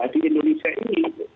di indonesia ini